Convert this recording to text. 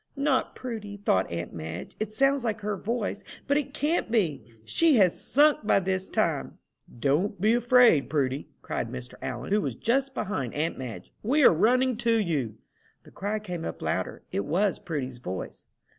"Not Prudy," thought aunt Madge. "It sounds like her voice, but it can't be. She has sunk by this time!" "Don't be afraid, Prudy!" cried Mr. Allen, who was just behind aunt Madge, "we are running to you." The cry came up louder: it was Prudy's voice.